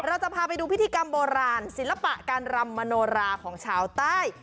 เราจะพาไปดูพิธีกรรมโบราณศิลปะการรำมโนราของชาวใต้